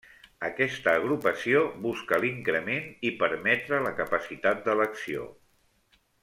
Aquesta agrupació busca l'increment i permetre la capacitat d'elecció.